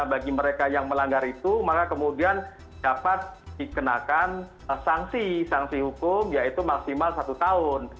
bagi mereka yang melanggar itu maka kemudian dapat dikenakan sanksi sanksi hukum yaitu maksimal satu tahun